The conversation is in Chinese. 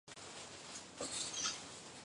有研究者认为依西可能是鲈鳗或鲢鱼群。